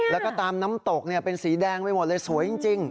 แล้วก็ตามน้ำตกเป็นสีแดงไปหมดเลยสวยจริง